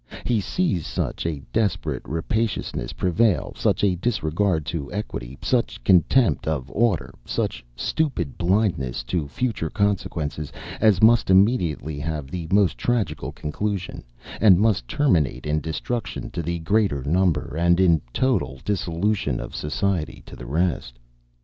He sees such a desperate rapaciousness prevail; such a disregard to equity, such contempt of order, such stupid blindness to future consequences, as must immediately have the most tragical conclusion, and must terminate in destruction to the greater number, and in a total dissolution of society to the rest.